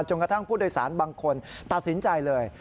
กระทั่งผู้โดยสารบางคนตัดสินใจเลย